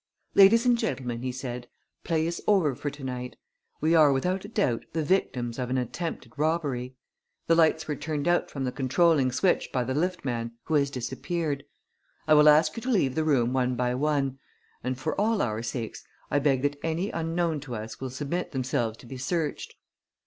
"Ladies and gentlemen," he said, "play is over for to night. We are, without a doubt, the victims of an attempted robbery. The lights were turned out from the controlling switch by the lift man, who has disappeared. I will ask you to leave the room one by one; and, for all our sakes, I beg that any unknown to us will submit themselves to be searched."